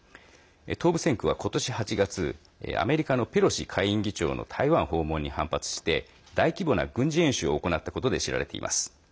東部戦区は、今年８月アメリカのペロシ下院議長の台湾訪問に反発して大規模な軍事演習を行ったことで知られています。